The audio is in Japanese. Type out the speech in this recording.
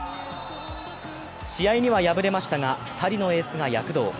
試合には敗れましたが、２人のエースが躍動。